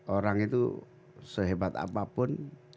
orang itu sehebat apapun